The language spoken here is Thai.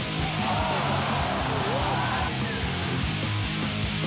สวัสดีครับ